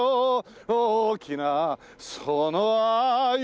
「大きなその愛よ」